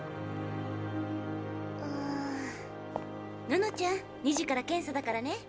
ノノちゃん２時から検査だからね。